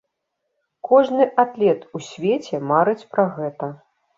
Кожны атлет у свеце марыць пра гэта.